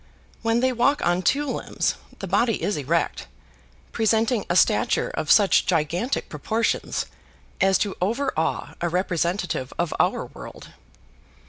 When they walk on two limbs, the body is erect, presenting a stature of such gigantic proportions as to over awe a representative of our world.